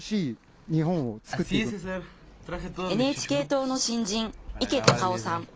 ＮＨＫ党の新人、池高生さん。